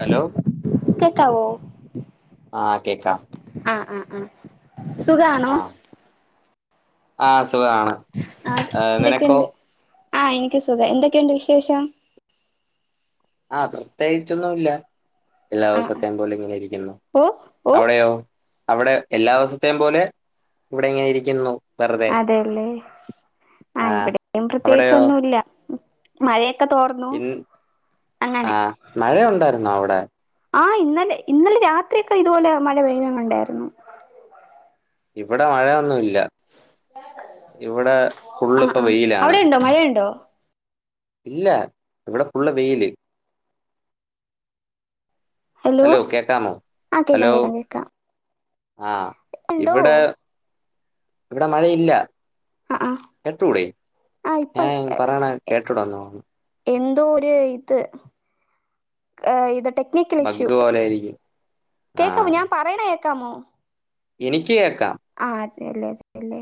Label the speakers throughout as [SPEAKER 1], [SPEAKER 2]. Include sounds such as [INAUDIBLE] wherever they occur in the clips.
[SPEAKER 1] Hello
[SPEAKER 2] കേക്കാവോ
[SPEAKER 1] ആഹ് കേക്കാം
[SPEAKER 2] ആഹ് ആഹ് ആഹ് സുഖാണോ
[SPEAKER 1] ആഹ് സുഖാണ്
[SPEAKER 2] ആഹ് എന്താെക്കെ
[SPEAKER 1] നിനക്കോ
[SPEAKER 2] ഇണ്ട് ആഹ് എനിക്ക് സുഖാ എന്താെക്കെയുണ്ട് വിശേഷം
[SPEAKER 1] ആഹ് പ്രത്യേകിച്ച് ഒന്നും ഇല്ല എല്ലാ
[SPEAKER 2] ആഹ്
[SPEAKER 1] ദിവസത്തേയും പോലെ ഇങ്ങനെ ഇരിക്കുന്നു
[SPEAKER 2] ഓ ഓ
[SPEAKER 1] അവടെയോ അവിടെ എല്ലാ ദിവസത്തേം പോലെ ഇവിടെ ഇങ്ങനെ ഇരിക്കുന്നു വെറുതെ
[SPEAKER 2] അതെ ല്ലേ
[SPEAKER 1] ആ
[SPEAKER 2] ആഹ് ഇവിടെയും പ്രത്യേകിച്ച്
[SPEAKER 1] അവിടെയോ
[SPEAKER 2] ഒന്നും ഇല്ല മഴയക്കെ തോർന്നു അങ്ങനെ
[SPEAKER 1] മഴ ഉണ്ടായിര്ന്നോ അവിടെ
[SPEAKER 2] ആഹ് ഇന്നലെ ഇന്നലെ രാത്രിയക്കെ ഇതുപോലെ മഴ പെയ്ത ഞാൻ കണ്ടായിര്ന്നു
[SPEAKER 1] ഇവിടെ മഴ ഒന്നും ഇല്ല ഇവിടെ ഫുള്ള് ഇപ്പ വെയിലാണ്
[SPEAKER 2] ണ്ടോ മഴണ്ടോ
[SPEAKER 1] ഇല്ല ഇവിടെ ഫുള്ള് വെയില് ഹലോ കേക്കാമോ
[SPEAKER 2] ആഹ് കേക്കാം
[SPEAKER 1] ഹലോ
[SPEAKER 2] കേക്കാം കേക്കാം
[SPEAKER 1] ആഹ്
[SPEAKER 2] ഉണ്ടോ
[SPEAKER 1] ഇവിടെ ഇവിടെ മഴ ഇല്ല
[SPEAKER 2] ആഹ് ആഹ്
[SPEAKER 1] കെട്ടൂടെ
[SPEAKER 2] ആഹ് ഇപ്പം
[SPEAKER 1] ഞാൻ പറയണ കേട്ടൂടന്നോ
[SPEAKER 2] എന്തോ ഒരു ഇത് ഏ ഇത് ടെ
[SPEAKER 1] ബഗ് പോലെയിരിക്കും ആഹ്
[SPEAKER 2] [UNINTELLIGIBLE] ക്കാമോ
[SPEAKER 1] എനിക്ക് കേക്കാം
[SPEAKER 2] ആഹ് അതെ ല്ലേ അതെ ല്ലേ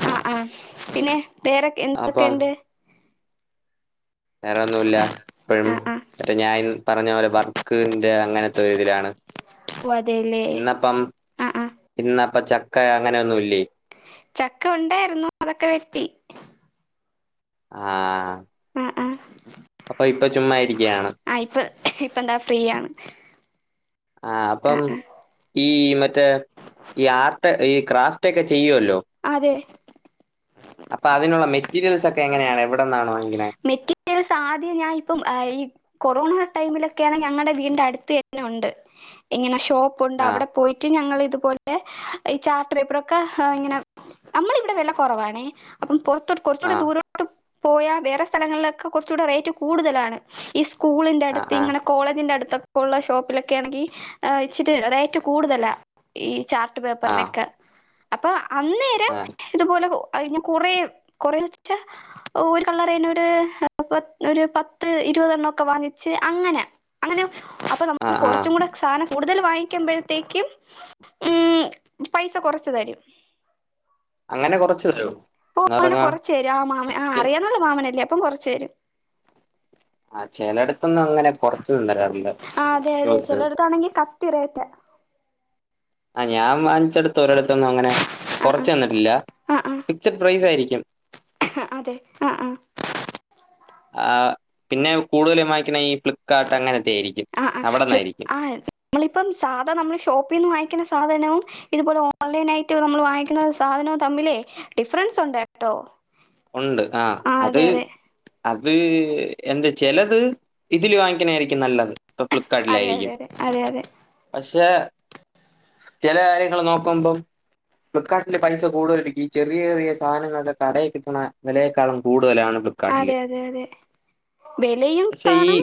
[SPEAKER 1] ആഹ്
[SPEAKER 2] പിന്നേ പേരെക്കെയെന്തൊക്കെണ്ട്?
[SPEAKER 1] വേറൊന്നുല്ല ഇപ്പഴും
[SPEAKER 2] ആ ആ
[SPEAKER 1] മറ്റേ ഞാൻ പറഞ്ഞ പോലെ വർക്കിന്റെ അങ്ങനത്തൊരിതിലാണ്.
[SPEAKER 2] ഓ അതെല്ലേ
[SPEAKER 1] ഇന്നപ്പം
[SPEAKER 2] ആ ആ
[SPEAKER 1] ഇന്നപ്പ ചക്ക അങ്ങനൊന്നൂല്ലേ?
[SPEAKER 2] ചക്ക ഉണ്ടായ്രുന്നു അതൊക്ക വെട്ടി.
[SPEAKER 1] ആഹ്
[SPEAKER 2] ആഹ്
[SPEAKER 1] അപ്പ ഇപ്പ ചുമ്മാ ഇരിക്കയാണ്
[SPEAKER 2] ആഹ് ഇപ്പ് ഇപ്പന്താ ഫ്രീയാണ്.
[SPEAKER 1] ആഹ് അപ്പം. ഈ മറ്റേ ഈ ആർട്ട് ഈ ക്രാഫ്റ്റൊക്കെ ചെയ്യുവല്ലോ?
[SPEAKER 2] അതെ
[SPEAKER 1] അപ്പ അതിനുള്ള മെറ്റീരിയൽസൊക്ക എങ്ങനെയാണ് എവിടെന്നാണ് വാ
[SPEAKER 2] മെറ്റീരിയൽസാദ്യം ഞാ ഇപ്പം ഈ കൊറോണ ടൈമിലൊക്കേണ് ഞങ്ങട വീടിന്റടുത്ത് തന്നെ ഒണ്ട്. ഇങ്ങന ഷോപ്പൊണ്ട്
[SPEAKER 1] ആ
[SPEAKER 2] അവിട പോയി [UNINTELLIGIBLE] ഞങ്ങളിതുപോലെ ഈ ചാർട്ട് പേപ്പറൊക്കാ ഇങ്ങനം നമ്മളിവിടെ വെല കൊറവാണേ അപ്പം പൊർത്ത്
[SPEAKER 1] ആ
[SPEAKER 2] കൊർച്ചൂടെ ദൂരോ പോയാ വേറെ സ്ഥലങ്ങൾലൊക്കെ കൊർച്ചൂടെ റേയ്റ്റ് കൂടുതലാണ്. ഈ
[SPEAKER 1] ആ
[SPEAKER 2] സ്കൂളിന്റട്ത്ത്
[SPEAKER 1] ആ
[SPEAKER 2] ഇങ്ങന കോളേജിന്റടുത്തൊക്കൊള്ള ഷോപ്പിലെക്കേണെങ്കീ ഇച്ചിരി റേറ്റ് കൂടുതലാ ഈ ചാ ട്ട് പേപ്പറിനെക്കാ അപ്പ അന്ന്
[SPEAKER 1] ആഹ്
[SPEAKER 2] ഇതുപോലെ അയ് ഞാ കൊറേ കൊറേ [UNINTELLIGIBLE] ഒരു കളറെന്നെ ഒര് പത് ഒര് പത്ത് ഇരുപതെണ്ണൊക്ക വാങ്ങിച്ച് അങ്ങന അങ്ങനാ അപ്പ
[SPEAKER 1] ആ
[SPEAKER 2] നമ്മള്
[SPEAKER 1] ആ
[SPEAKER 2] കൊറച്ചും കുടെ സാനം കൂടുതല് വാങ്ങിക്കുമ്പഴ്ത്തേയ്ക്കും ഉം പൈസ കൊറച്ച് തരും.
[SPEAKER 1] അങ്ങന കൊറച്ചരോ?
[SPEAKER 2] ഓഹ് അങ്ങന കൊറച്ചരും ആ മാമൻ ആഹ് അറിയാവുന്നൊരു മാമനല്ലേ അപ്പം കൊറച്ചെരും.
[SPEAKER 1] ആഹ് ചെലെട്ത്തൊന്നും അങ്ങനെ കുറച്ചൊന്നും തരാറില്ല
[SPEAKER 2] ആഹ് അതേയതേ
[SPEAKER 1] ചോദിച്ചത്
[SPEAKER 2] ചെലെടത്താണെങ്കി കത്തി റേറ്റാ.
[SPEAKER 1] ആ ഞാൻ വാങ്ങിച്ചെടുത്ത് ഒരെടുത്തൊന്നും അങ്ങനെ
[SPEAKER 2] ആ
[SPEAKER 1] കൊറച്ച്
[SPEAKER 2] ആ
[SPEAKER 1] തന്നിട്ടില്ല
[SPEAKER 2] ആ
[SPEAKER 1] ഫിക്സഡ് പ്രൈസായിരിക്കും.
[SPEAKER 2] അതെ ആഹ് ആഹ്
[SPEAKER 1] ആഹ് പിന്നെ കൂടുതലും ഞാൻ വാങ്ങിക്കണെ ഈ ഫ്ലിപ്കാർട്ട് അങ്ങനത്തേയിരിക്കും.
[SPEAKER 2] ആഹ് ആഹ് ഫ്ലിപ്പ് ആഹ് നമ്മളിപ്പം സാധാ നമ്മളീ ഷോപ്പീന്ന് വാങ്ങിക്കണ സാധനം - ഇതുപോലെ ഓൺലൈനായിട്ട് നമ്മള് വാങ്ങിക്കുന്ന സാധനോം തമ്മിലേ ഡിഫ്രെൻസ് ഒണ്ട് കേട്ടോ
[SPEAKER 1] ഒണ്ട് ആഹ്
[SPEAKER 2] ആ
[SPEAKER 1] അത്
[SPEAKER 2] അതെ അതെ
[SPEAKER 1] അത് എന്ത് ചെലത് ഇതിൽ വാങ്ങിക്കണേയിരിക്കും നല്ലത്. അപ്പ
[SPEAKER 2] അതെ
[SPEAKER 1] ഫ്ലിപ്കാർട്ടിലേയിരിക്കും
[SPEAKER 2] അതെ അതെ അതെ അതെ
[SPEAKER 1] പക്ഷേ ചെല കാര്യങ്ങള് നോക്കുമ്പം- ഫ്ലിപ്കാട്ടില് പൈസ കൂടുതലിരിക്കും ചെറിയെ ചെറിയ സാനങ്ങള് ഒക്കെ കടയില് കി - ട്ട്ണ വെലയേക്കാളും കൂടുതലാണല്ലോ
[SPEAKER 2] അതെ അതെ അതെ വെലയും
[SPEAKER 1] പക്ഷെ ഈ
[SPEAKER 2] കാണും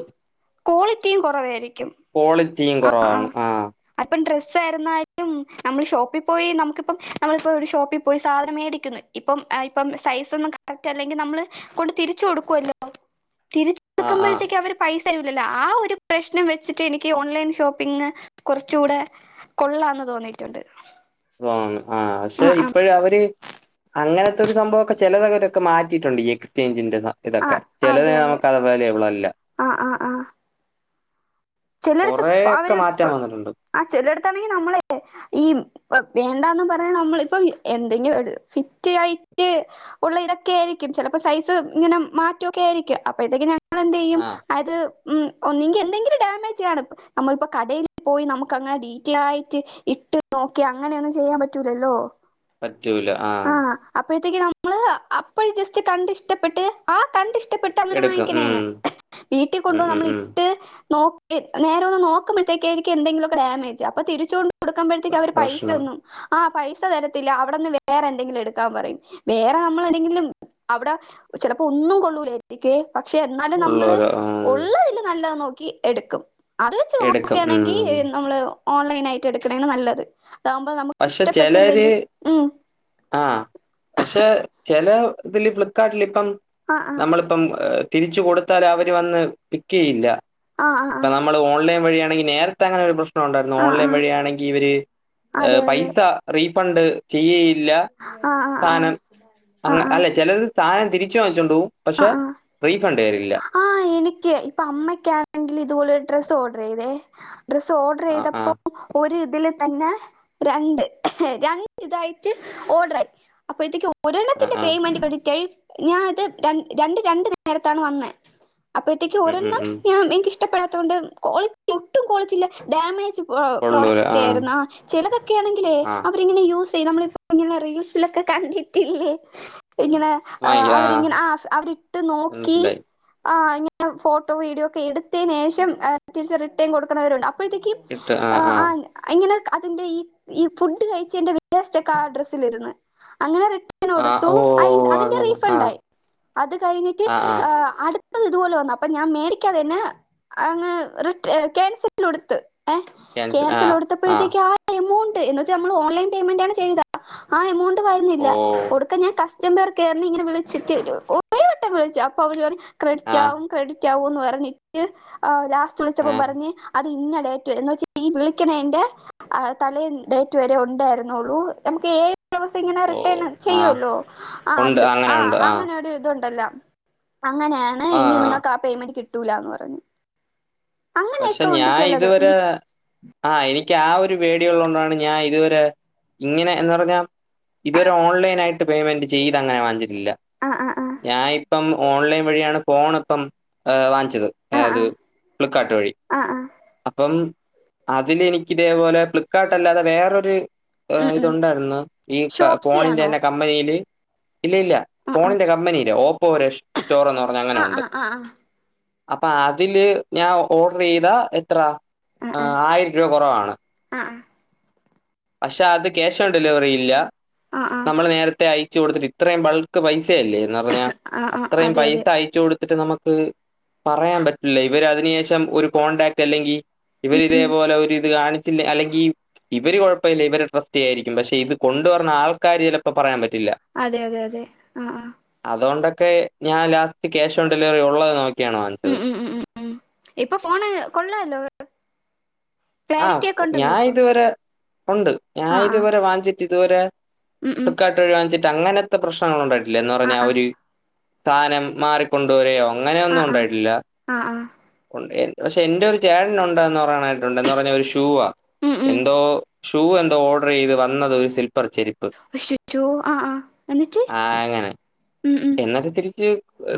[SPEAKER 2] ക്വാളിറ്റിയും കൊറവായിരിക്കും.
[SPEAKER 1] ക്വാളിറ്റിയും കൊറവാണ് ആഹ്
[SPEAKER 2] അപ്പം ഡ്രസ്സായിരുന്നാലും നമ്മള് ഷോപ്പിൽ പോയി നമുക്കിപ്പം നമ്മളിപ്പോ ഒര് ഷോപ്പിൽ പോയി സാധനം മേടിക്കിന്ന് ഇപ്പം ആയിപ്പം സൈസൊന്നും കറക്റ്റല്ലെങ്കിൽ നമ്മള് കൊണ്ട് തിരിച്ച് കൊടുക്കൊല്ലോ ഇപ്പം തിരിച്ച്
[SPEAKER 1] ആ ആ
[SPEAKER 2] കൊടുക്കുമ്പോഴത്തേക്ക് അവര് പൈസ തരൂലല്ലോ ആ ഒര് പ്രശ്നം വെച്ചിട്ട് എനിക്ക് ഓൺലൈൻ ഷോപ്പ് പിന്നെ കൊറച്ചൂടെ കൊള്ളാന്ന് തോന്നിയിട്ടുണ്ട്
[SPEAKER 1] ഉം ആഹ് പക്ഷെ ഇപ്പോഴ് അവര് അങ്ങനത്തൊരു സംഭവയൊക്കെ - ചെലത് അവരൊക്കെ മാറ്റിട്ടൊണ്ട് ഈ എക്സ്ചേഞ്ചിന്റേത് ഇതൊക്കെ
[SPEAKER 2] ആഹ്
[SPEAKER 1] ചെലത്
[SPEAKER 2] അതെ അതെ
[SPEAKER 1] നമുക്ക് അത് പോലെ ഉള്ളൂ എല്ലാം
[SPEAKER 2] ആഹ് ചെല്ലെടുത്ത് അവര്
[SPEAKER 1] മാറ്റാൻ വന്നിട്ടുണ്ട്
[SPEAKER 2] ആഹ് ചെല്ലെടുത്താണെങ്കി നമ്മള് തന്നെ ഈ വേണ്ടാന്നും പറഞ്ഞ നമ്മളിപ്പൊ എന്തെങ്കിലും ഒരു ഫിറ്റി ആയിട്ട് - ഉള്ള ഇതൊക്കെ ആയിരിക്കും ചെലപ്പോ സൈസ് ഇങ്ങനെ മാറ്റം ഒക്കെ ആയിരിക്കും അപ്പൊഴ് ത്തെക്കിനും - നമ്മള് എന്ത് ചെയ്യും
[SPEAKER 1] ആഹ്
[SPEAKER 2] അത് ഉം ഒന്നുകി എന്തെങ്കിലും ഡാമേജ് കാണും നമ്മളിപ്പോ കടയിൽ പോയി നമുക്ക് അങ്ങനെ ഡീറ്റയിൽ ആയിട്ട് ഇട്ട് നോക്കി അങ്ങനെയൊന്നും ചെയ്യാൻ പറ്റൂലല്ലോ
[SPEAKER 1] പറ്റൂല ആഹ്
[SPEAKER 2] ആഹ് അപ്പോഴത്തേക്ക് നമ്മള് അപ്പഴ് ജസ്റ്റ് കണ്ട് ഇഷ്ടപ്പെട്ട് ആഹ് കണ്ട് - ഇഷ്ട്ടപ്പെട്ട് അങ്ങനെ
[SPEAKER 1] എടുക്കും ഉം
[SPEAKER 2] വാങ്ങിക്കണേയാണ് വീട്ടിൽ
[SPEAKER 1] ഉം
[SPEAKER 2] കൊണ്ടോന്ന്
[SPEAKER 1] ഉം
[SPEAKER 2] നമ്മള്
[SPEAKER 1] ഉം
[SPEAKER 2] ഇട്ട് നോ- നേരെ ഒന്ന് നോക്കുമ്പഴേക്കക്ക് എനിക്ക് എന്തെങ്കിലൊക്കെ ഡാമേജ് അപ്പൊ തിരിച്ചു കൊ - കൊടുക്കുമ്പോഴത്തേക്ക്
[SPEAKER 1] പ്ര-
[SPEAKER 2] അവര് പൈസ
[SPEAKER 1] പ്രശ്നം
[SPEAKER 2] ഒന്നും ആ പൈസ തരത്തില്ല അവിടെന്ന്- വേറെ എന്തെങ്കിലും എടുക്കാൻ പറയും വേറെ നമ്മള് എന്തെങ്കിലും - അവിടെ ചെലപ്പോ ഒന്നും കൊള്ളൂലാരിക്കും എ [UNINTELLIGIBLE] ക്ക് പക്ഷെ എന്നാലും നമ്മള്
[SPEAKER 1] ഉള്ളോരോ ആഹ്
[SPEAKER 2] ഉള്ളതില് നല്ലത് നോക്കി എടുക്കും അത് വെച്ച്
[SPEAKER 1] എടുക്കും ഉം
[SPEAKER 2] നോക്കുകയാണെങ്കി നമ്മള് ഓൺലൈൻ ആയിട്ട് എടുക്കണാണ് നല്ലത് ആകുമ്പോ നമുക്ക്
[SPEAKER 1] പക്ഷെ ചിലര്
[SPEAKER 2] ഇഷ്ടപ്പെട്ടില്ലെങ്കിൽ ഉം
[SPEAKER 1] ആഹ് പക്ഷെ ചെല ഇതില് ഫ്ലിപ്കാർട്ടിൽ ഇപ്പം
[SPEAKER 2] ആ ആ
[SPEAKER 1] നമ്മള് - ഇപ്പം തിരിച്ചു കൊടുത്താൽ അവര് വന്ന് പിക്ക് ചെയ്യില്ല
[SPEAKER 2] ആഹ് ആഹ് ആഹ്
[SPEAKER 1] നമ്മള് ഓൺലൈൻ വഴിയാണെിൽ നേരത്തെ അങ്ങനെ പ്രശ്നം ഉണ്ടായി
[SPEAKER 2] ആ ആ
[SPEAKER 1] ഓൺലൈൻ
[SPEAKER 2] ആ
[SPEAKER 1] വഴിയാണെങ്കി ഇവര്-
[SPEAKER 2] അതെ അതെ
[SPEAKER 1] പൈസ റീഫണ്ട് - ചെയ്യയില്ല
[SPEAKER 2] ആ ആ ആ
[SPEAKER 1] സാധനം അ
[SPEAKER 2] ആ ആ
[SPEAKER 1] അല്ല ചെലത് സാധനം തിരിച്ചു വാങ്ങിച്ചോണ്ട് പോകും പക്ഷെ റീഫണ്ട് വരില്ല
[SPEAKER 2] ആഹ് എനിക്ക് ഇപ്പൊ അമ്മക്ക്‌ ആക്കാണെങ്കിൽ ഇതുപോലെ ഒരു ഡ്രസ്സ് ഓർഡർ ചെയ്തേ ഡ്രസ്സ് ഓർഡർ
[SPEAKER 1] ആ ആ
[SPEAKER 2] ചെയ്തപ്പോൾ ഒര് ഇതില് തന്നെ രണ്ട് രണ്ട് ഇതായിട്ട് ഓർഡർായി അപ്പോഴത്തേക്ക്-
[SPEAKER 1] ആ
[SPEAKER 2] ഒരെണ്ണത്തിന്റെ
[SPEAKER 1] ആ
[SPEAKER 2] പേയ്മെന്റ് ക്രടിറ്റായ്. ഞാ ത് ര രണ്ട് രണ്ട് നേരത്താണ് വന്നെ. അപ്പഴത്തേക്ക്
[SPEAKER 1] ഉം ഉം
[SPEAKER 2] ഒരെണ്ണം
[SPEAKER 1] ഉം
[SPEAKER 2] ഞ എനിക്ക് ഇഷ്ടപ്പെടാത്ത കൊണ്ട് കോളിറ്റി ഒട്ടും കൊളത്തില്ല. ഡാമേജ്
[SPEAKER 1] കൊള്ളൂല
[SPEAKER 2] പ്രോഡക്റ്റ്
[SPEAKER 1] ആ
[SPEAKER 2] ആയിരുന്ന. ചിലതൊക്കെ ആണെങ്കിലേ
[SPEAKER 1] ആ
[SPEAKER 2] അ ആരെങ്കിലും യൂസ് ചെയ്യ നമ്മളിപ്പോ ഇങ്ങനെ റീൽസിലൊക്കെ കണ്ടിട്ടില്ലേ. ഇങ്ങനെ ആഹ്
[SPEAKER 1] വാങ്ങിക്ക ആ
[SPEAKER 2] അവരിങ്ങനെ ആഹ് അവരിട്ട് നോക്കി.
[SPEAKER 1] മനസ്സിലായി
[SPEAKER 2] ആഹ് ഫോട്ടോ വീഡിയോ ക്കെ എടുത്തതിനു ശേഷം തിരിച്ച് റിട്ടേൺ കൊടുക്കുന്നവരുണ്ട്. അ അപ്പയ്ത്തേക്ക്
[SPEAKER 1] ഇട്ട് ആ
[SPEAKER 2] ആഹ്
[SPEAKER 1] ആ
[SPEAKER 2] ആഹ് അഹ്ങ്ങനെ അതിന്റെ ഈ ഈ ഫുഡ്ഡ് കഴിച്ച ന്റെ വേസ്റ്റ് ക്കെ ആഹ് ഡ്രസ്സലിര്ന്ന്. അങ്ങനെ
[SPEAKER 1] ആ
[SPEAKER 2] ടുത്തു.
[SPEAKER 1] ഓ
[SPEAKER 2] അയിന്റെ അതിന്റെ
[SPEAKER 1] അങ്ങനെ ആ
[SPEAKER 2] റീഫണ്ടായി. അത് കഴിഞ്ഞിട്ട്
[SPEAKER 1] ആ ആ
[SPEAKER 2] ഏഹ് അടു ത്ത ഇതുപോലെ വന്നു. അപ്പൊ ഞാൻ മേടിക്കാതെ ന്നെ അങ്ങ് റിട്ടെ ക്യാൻസൽടുത്ത്. അഹ്
[SPEAKER 1] ക്യാൻസൽ ആ ആ
[SPEAKER 2] കെൻസലൊടുത്തപ്പോഴത്തേക് ആഹ് എമൗണ്ട് എന്നുവച്ച നമ്മൾ ഓൺലൈൻ പേയ്മെന്റ് ആണ് ചെയ്താ. ആഹ് എമൗണ്ട് വരുന്നില്ല.
[SPEAKER 1] ഓ
[SPEAKER 2] കൊടുക്ക ഞാൻ കസ്റ്റംബേർ കേയറി ഇങ്ങനെ വിളിച്ചിട്ട് വരു. ഓഹ് ട്ട വിളിച്. അപ്പൊ അവര് പറഞ്
[SPEAKER 1] ആ
[SPEAKER 2] ക്രെഡിറ്റാകും. ക്രെഡിറ്റ് ആകും ന്ന് പറഞ്ഞട്ട് ആഹ് ലാ വിളിച്ചപ്പം
[SPEAKER 1] ഏ
[SPEAKER 2] പറഞ്ഞ് അത് ഇന്ന ടേറ്റ് വരെ വരെ എന്ന് വച്ച ഈ വിളിക്കണേന്റെ ആഹ് തലേന്ന്. ഡേറ്റ് വരെ ഉണ്ടായിരുന്നുള്ളു. നമുക്ക് ഏഴ് ദിവസം ഇങ്ങനെ
[SPEAKER 1] ഓ
[SPEAKER 2] റിട്ടേൺ
[SPEAKER 1] ആ
[SPEAKER 2] ചെയ്യല്ലോ. ആഹ്
[SPEAKER 1] ഉണ്ട്
[SPEAKER 2] അത്
[SPEAKER 1] അങ്ങനെ
[SPEAKER 2] ആഹ്
[SPEAKER 1] ഉണ്ട് ആ
[SPEAKER 2] അങ്ങനെ രു ണ്ടല്ലോ. അങ്ങനെയാണ്
[SPEAKER 1] ആ
[SPEAKER 2] ഇനി
[SPEAKER 1] ആ.
[SPEAKER 2] നിങ്ങക്ക് ആഹ് പേയ്മെന്റ് കിട്ടൂലന്ന് പറഞ്ഞു.
[SPEAKER 1] പക്ഷെ
[SPEAKER 2] അങ്ങനെയൊക്കെ ഉണ്ട്
[SPEAKER 1] ഞാൻ
[SPEAKER 2] ചിലത് ഉം
[SPEAKER 1] ഇതുവരെ ആഹ് എനിക്ക് ആഹ് ഒരു പേടി ഉള്ളത് കൊണ്ടാണ് ഞാൻ ഇതുവരെ ഇങ്ങനെ ന്ന് പറഞ്ഞ ഇത് വരെ ഓൺലൈനായിട്ട് പേമെന്റ് ചെയ്തങ്ങനെ വാങ്ങി ച്ചി ഇല്ല.
[SPEAKER 2] ആ ആ ആ
[SPEAKER 1] ഞാ ഇപ്പം ഓൺലൈൻ വഴിയാണ് ഫോൺ പ്പം വാങ്ങിച്ചത്.
[SPEAKER 2] ആ
[SPEAKER 1] ഏഹ്
[SPEAKER 2] ആ
[SPEAKER 1] ത് ഫ്ലിപ്പ്കാർട്ട് വഴി.
[SPEAKER 2] ആ ആ
[SPEAKER 1] -പ്പം അതില് എനിക്കി ഇതേപോലെ ഫ്ലിപ്പ്കാർട്ടല്ലാതെ വേറൊര്
[SPEAKER 2] ഉം ഉം
[SPEAKER 1] ഏഹ്തുണ്ടായിരുന്നു. ഈ
[SPEAKER 2] ഷോപ്സി ആണോ
[SPEAKER 1] ഫോണിന്റെന്നെ കമ്പനിയില്. ഇല്ല ഇല്ല.
[SPEAKER 2] ആ ആ
[SPEAKER 1] ഫോണിന്റെ കമ്പനിയിലൊ ഓപ്പോരെശ്റ്റൊർ പറഞ്ഞ അങ്ങനെ
[SPEAKER 2] ആ
[SPEAKER 1] ഉണ്ട്.
[SPEAKER 2] ആ ആ ആ
[SPEAKER 1] അപ്പ അതില് ഞാൻ ഓഡറെയ്ത എത്ര? ആയിരം രൂപ കൊറവാണ്.
[SPEAKER 2] അഹ്
[SPEAKER 1] പക്ഷെ അത് ക്യാഷ് ഓൺ ഡെലിവറി ഇല്ല.
[SPEAKER 2] ആ ആ
[SPEAKER 1] നമ്മൾ നേരത്തെ അയച്ച് കൊടുത്തിട്ട അത്രേം ബൾക്ക് പൈസയല്ലേ എന്ന് പറഞ്ഞാ.
[SPEAKER 2] ആ ആ
[SPEAKER 1] അത്രയും
[SPEAKER 2] അതെ
[SPEAKER 1] പൈസ
[SPEAKER 2] അതെ
[SPEAKER 1] അയച്ച് കൊട് ത്ത്ട്ട് നമുക്ക് പറയാൻ പറ്റില്ല. ഇവര് അതിനു ശേഷം ഒരു കോൺടാക്ട് അല്ലെങ്കി ഇവരി
[SPEAKER 2] ഉം
[SPEAKER 1] ഇതേപോലെ ഒരുരിത് കാണിച്ചില്ല, അല്ലെങ്കിൽ ഇവര് കൊഴ പ്പല്ല. ഇവരെ ട്രസ്റ്റ് ചെയായിരിക്കും. പക്ഷെ ഇത് കൊണ്ട് വർണേ ആൾക്കാര് ചെലപ്പോ പറയാൻ പറ്റില്ല.
[SPEAKER 2] അതെ അതെ അതെ ആഹ് ആഹ്
[SPEAKER 1] അതോണ്ടൊക്കെ ഞാൻ ലാസ്റ്റ് ക്യാഷ് ഓൺ ഡെലിവറി ഉള്ളത് നോക്കിയാണ്
[SPEAKER 2] ഉം
[SPEAKER 1] വാങ്ങിച്ചത്.
[SPEAKER 2] ഉം ഉം ഉം ഉം ഇപ്പൊ ഫോണ് കൊള്ളാല്ലൊ.
[SPEAKER 1] ആഹ് ഞാ ഇതുവരെ ഉണ്ട്. ഞാ
[SPEAKER 2] ആ ആ
[SPEAKER 1] ഇതുവരെ വാങ്ചിട്ട് ഇതുവരെ
[SPEAKER 2] ഉം ഉം
[SPEAKER 1] ഫ്ലിപ്പ് കാർട്ട് ഒഴി വാങ്ങിച്ചിട്ട് അങ്ങനത്തെ പ്രശ്നങ്ങൾ ഉണ്ടായിട്ടില്ല. എന്ന്
[SPEAKER 2] ആ
[SPEAKER 1] പറഞ്ഞാ
[SPEAKER 2] ആ
[SPEAKER 1] ഒരു സാനം മാറി കൊണ്ട് വരെയൊ അങ്ങനെ
[SPEAKER 2] ആ
[SPEAKER 1] ഒന്നും
[SPEAKER 2] ആ
[SPEAKER 1] ഇണ്ടായിട്ടില്ല.
[SPEAKER 2] ആ ആ
[SPEAKER 1] ഉം, എൻ പക്ഷെ എന്റെ ഒരു ചേടൻ ഉണ്ടന്ന് പറയാനായിട്ടുണ്ട്. ന്ന് പറഞ്ഞാ ഒരു ഷൂവാ.
[SPEAKER 2] ഉം ഉം
[SPEAKER 1] എന്തോ ഷൂ എന്തോ ഓർഡർ ചെയ്ത് വന്നത് ഒരു സിൽപ്പെർ ചെരിപ്പ്.
[SPEAKER 2] ഷ് റ്റൂ ആഹ് ആഹ് എന്നിട്ട്, ഉം ഉം
[SPEAKER 1] എന്ന് അത് തിരിച്ച്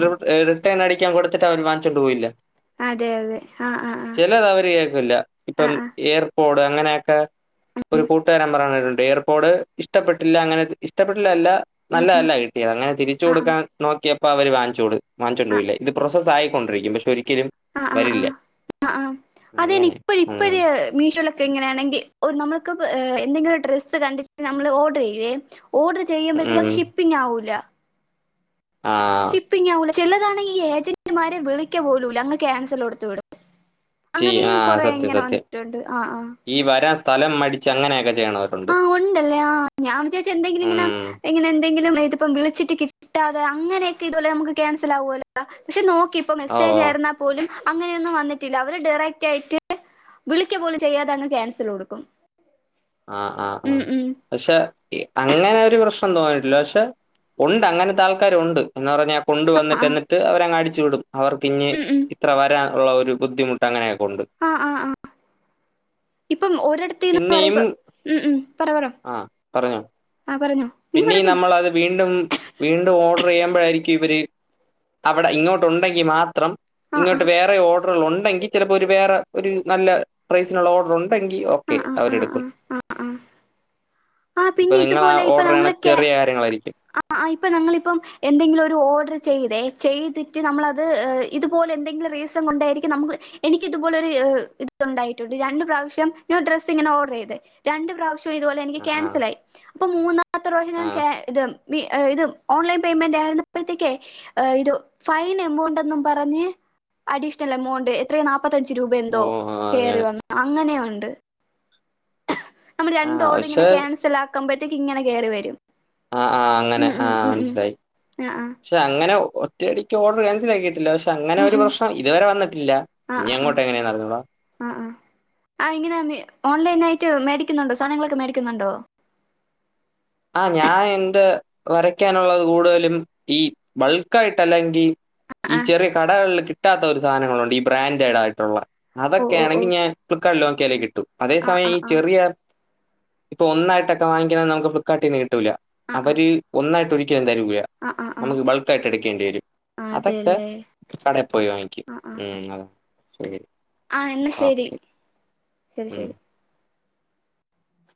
[SPEAKER 1] റി ഏഹ് റിട്ടേൺ അടിക്കാൻ കൊടുത്തിട്ട് അവര് വാങ്ങിച്ചുകൊണ്ട് പോയില്ല.
[SPEAKER 2] അതെ അതെ ആഹ് ആഹ് ആഹ്
[SPEAKER 1] ചെലത് അവര് കേൾക്ക്ല്ല. ഇപ്പം
[SPEAKER 2] ആഹ് ആഹ്
[SPEAKER 1] ഏർ കൊഡ് അങ്ങനെയൊക്കെ ഒരു കൂട്ടുകാരൻ പറണെട്ടിട്ടുണ്ട്. എയർപോഡ് ഇഷ്ടപ്പെട്ടില്ല അങ്ങനെ ഇഷ്ടപ്പെട്ടില്ലല്ലാ
[SPEAKER 2] ഉം ഉം
[SPEAKER 1] നല്ലല്ല കിട്ടിയത് അങ്ങനെ തിരിച്ചു
[SPEAKER 2] ആഹ്
[SPEAKER 1] കൊടുക്കാൻ നോക്കിയപ്പോ അവര് വാങ്ങിച്ചോട് വാങ്ങിച്ചോണ്ട്
[SPEAKER 2] ആഹ്
[SPEAKER 1] പോയില്ല ഇത് പ്രൊസസ്സ ആയിക്കൊണ്ടിരിക്കും പക്ഷെ ഒരിക്കലും
[SPEAKER 2] അഹ്ആഹ് ആ
[SPEAKER 1] വരില്ല
[SPEAKER 2] ഹ്ആഹ് അതിന്
[SPEAKER 1] അങ്ങനെ
[SPEAKER 2] ഇപ്പഴ്‌ ഇപ്പഴ്‌
[SPEAKER 1] ഉം
[SPEAKER 2] മീഷോയിലൊക്കെ എങ്ങനെയാണെങ്കിൽ നമ്മുക്ക് എന്തെങ്കിലും ഡ്രസ്സ് കണ്ടിട്ട് നമ്മള് ഓർഡർ ചെയ്യുവേ ഓർഡർ ചെയ്യുമ്പോഴത്തേക്കും
[SPEAKER 1] ഉം
[SPEAKER 2] അത് ഷിപ്പിംഗ് ആകൂല്ല
[SPEAKER 1] ആ
[SPEAKER 2] ഷിപ്പിംഗ് ആവുല്ല ചെലതാണെങ്കി ഇ ഏജന്റ്മാരെ വിളിക്ക പോലൂല്ല അങ് ക്യാൻസൽ കൊടുത്ത് വിടും
[SPEAKER 1] ചെയ്യ ആ
[SPEAKER 2] അങ്ങനെയും കൊറെ
[SPEAKER 1] സത്യം
[SPEAKER 2] ഇങ്ങനെ
[SPEAKER 1] സത്യം
[SPEAKER 2] വന്നിട്ടുണ്ട് ആഹ് ആഹ്
[SPEAKER 1] ഈ വരാൻ സ്ഥലം മടിച്ച് അങ്ങനെയൊക്കെ ചെയ്യണ വര്
[SPEAKER 2] ആഹ് ഒണ്ടല്ലെ ആ ഞാൻ വിജാരിച്ച് എന്തെങ്കിലും ഇങ്ങന
[SPEAKER 1] ഉം
[SPEAKER 2] ഇങ്ങനെ എന്തെങ്കിലും ഇതിപ്പം വിളിച്ചിട്ട് കി ട്ടാതെ അങ്ങനെയൊക്കെ ഇതുപോലെ നമുക്ക് ക്യാൻസൽ ആകുവല്ല പക്ഷെ നോക്കി ഇപ്പൊ
[SPEAKER 1] ഓ!
[SPEAKER 2] മെസ്സേജ് ആയിരുന്ന പോലും അങ്ങനെയൊന്നും വന്നിട്ടില്ല അവര് ഡയറക്റ്റ് ആയിട്ട് വിളിക്ക പോലും ചെയ്യാതെ അങ്ങ് ക്യാൻസൽ കൊടുക്കും
[SPEAKER 1] ആഹ് ആഹ്
[SPEAKER 2] ഉം
[SPEAKER 1] ആഹ്
[SPEAKER 2] ഉം
[SPEAKER 1] പക്ഷെ അങ്ങനെ ഒരു പ്രശ്നം തോന്നിയിട്ടില്ല പക്ഷെ ഉണ്ട് അങ്ങനത്തെ ആൾക്കാരു ഉണ്ട് എന്ന് പറഞ്ഞാൽ കൊണ്ട വന്നിട്ട്
[SPEAKER 2] ആഹ്
[SPEAKER 1] എന്നിട്ട് അവരങ്ങടിച്ചു വിടും അവർ പിന്നെ
[SPEAKER 2] ഉം ഉം
[SPEAKER 1] ഇത്ര വരാൻ ഉള്ള ഒരു ബുദ്ധിമുട്ട അങ്ങനെയൊക്കെ ഉണ്ട്
[SPEAKER 2] ആഹ് ആഹ് ആഹ് ഇപ്പം ഒരിടത്ത്ന്ന്
[SPEAKER 1] പിന്നെയും
[SPEAKER 2] പറയുമ്പൊ ഉം ഉം പറ പറ
[SPEAKER 1] ആഹ് പറഞ്ഞോ
[SPEAKER 2] ആഹ് പറഞ്ഞൊ
[SPEAKER 1] പിന്നീം നമ്മൾ അത് വീണ്ടും വീണ്ടും ഓർഡർ ചെയ്യുമ്പോഴായിരിക്കും ഇവര് അവിടെ ഇങ്ങോട്ട് ഉണ്ടെങ്കി മാത്രം
[SPEAKER 2] ആഹ്
[SPEAKER 1] ഇങ്ങോട്ട് വേറെ ഓർഡറുകള് ഉണ്ടെങ്കിൽ ചെലെപ്പൊ ഒരു വേറെ ഒരു നല്ല പ്രൈസിനുള്ള ഓർഡർ ഉണ്ടെങ്കി ഓക്കെ
[SPEAKER 2] ആഹ് ആഹ് ആഹ്
[SPEAKER 1] അവര്
[SPEAKER 2] ആഹ്
[SPEAKER 1] എടുക്കും
[SPEAKER 2] ആ പിന്നെ ഇതുപോലെ ഇപ്പൊ നമ്മളെ കേ
[SPEAKER 1] കാര്യങ്ങളായിരിക്കും
[SPEAKER 2] ആഹ് ആഹ് ഇപ്പ നമ്മളിപ്പം എന്തെങ്കിലും ഒരു ഓർഡർ ചെയ്തെ ചെയ്തിട്ട് നമ്മളത് അത് ഇതുപോലെ എന്തെങ്കിലും റീ സൻ കൊണ്ടായിരിക്കും നമ്മക്ക് എനിക്ക് ഇതുപോലെ ഒരു ഇത് ഉണ്ടായിട്ടുണ്ട് രണ്ട് പ്രാവശ്യം ഞാൻ ഡ്രസ്സ് ഇങ്ങനെ ഓർഡർ ചെയ്ത് രണ്ട് പ്രാവശ്യം ഇതു പോലെ എനിക്ക്
[SPEAKER 1] ആഹ്
[SPEAKER 2] കാൻസലായി അപ്പൊ മൂന്നാമത്തെ പ്രാവശ്യം
[SPEAKER 1] ആഹ് ആഹ്
[SPEAKER 2] ക്യാ ഇത് ഇത് ഓൺലൈൻ പേയ്മെന്റ് ആയിരുന്നപ്പോഴത്തേക്ക് ഇത് ഫൈൻ എമൗണ്ട്ന്നും പറഞ്ഞ് അഡീഷണൽ എമൗണ്ട് എത്രയോ നാപ്പത്തഞ്ച് രൂപ
[SPEAKER 1] ഓ!
[SPEAKER 2] എന്തോ
[SPEAKER 1] അങ്ങനെ
[SPEAKER 2] കേറി വന്നു അങ്ങനെയുണ്ട് നമ്മള് രണ്ട്
[SPEAKER 1] ആഹ്
[SPEAKER 2] ഓർഡർ
[SPEAKER 1] പക്ഷെ
[SPEAKER 2] ഇങ്ങനെ ക്യാൻസലാക്കുംപോഴത്തേക്ക് ഇങ്ങനെ കെറി വരും
[SPEAKER 1] ആഹ് ആഹ് അങ്ങനെ
[SPEAKER 2] ഉം ഉം
[SPEAKER 1] ആഹ്
[SPEAKER 2] ഉം ഉം
[SPEAKER 1] മനസിലായി
[SPEAKER 2] ആ ആ
[SPEAKER 1] പക്ഷെ അങ്ങനെ ഒറ്റയടിക്ക് ഓർഡർ ക്യാൻസലാക്കിയിട്ടില്ല അങ്ങനെ
[SPEAKER 2] ഉം
[SPEAKER 1] ഒരു
[SPEAKER 2] ഉം
[SPEAKER 1] പ്രശ്നം ഇതുവരെ വന്നിട്ടില്ല ഇനി അങ്ങോട്ട് എങ്ങനെയാ അറിഞ്ഞൂടാ
[SPEAKER 2] ആഹ്ആഹ് ആ എങ്ങനെ ഓൺലൈൻ ആയിട്ട് മേടിക്കുന്നുണ്ടോ സാധനങ്ങളൊക്കെ മേടിക്കുന്നുണ്ടോ
[SPEAKER 1] ആ ഞാൻ എന്റെ വരയ്ക്കാനുള്ളത് കൂടുതലും ഈ ബൾക്കആയിട്ട് അല്ലെങ്കി ഈ
[SPEAKER 2] ആഹ്
[SPEAKER 1] ചെറിയ കടകളിൽ കിട്ടാത്ത ഒരു സാധനങ്ങളുണ്ട് ഈ ബ്രാൻഡഡ് ആയിട്ടുള്ള
[SPEAKER 2] ഓഹ് ഓഹ്
[SPEAKER 1] അതൊക്കെയാണെങ്കിൽ
[SPEAKER 2] ഓഹ്
[SPEAKER 1] ഞാൻ ഫ്ലിപ്കാർട്ടിൽ നോക്കിയലേ കിട്ടു അതേ
[SPEAKER 2] ആഹ്
[SPEAKER 1] സമയം
[SPEAKER 2] ആഹ്
[SPEAKER 1] ഈ ചെറിയ
[SPEAKER 2] ആഹ്
[SPEAKER 1] ഇപ്പൊ ഒന്നായിട്ടൊക്കെ വാങ്ങിക്കണ നമുക്ക് ഫ്ലി പ്കാട്ടിന്ന് കിട്ടൂല
[SPEAKER 2] ആഹ്
[SPEAKER 1] അവര് ഒന്നായിട്ട് ഒരിക്കലും തരൂല്ല
[SPEAKER 2] ആഹ് ആഹ് ആഹ്
[SPEAKER 1] നമുക്ക് ബൾക്ക് ആയിട്ട് എടുക്കേണ്ടി വരും
[SPEAKER 2] ആഹ്
[SPEAKER 1] അതൊക്കെ
[SPEAKER 2] അതെല്ലേ
[SPEAKER 1] കടേ പോയി വാങ്ങിക്കും
[SPEAKER 2] ആഹ് ആഹ്
[SPEAKER 1] ഉ അത ശെരി
[SPEAKER 2] ആഹ് എന്നാ ശെരി ശെരി